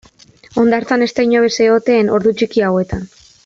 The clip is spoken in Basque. Hondartzan ez da inor egoten ordu txiki hauetan.